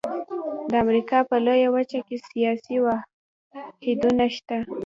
د امریکا په لویه وچه کې سیاسي واحدونه شته.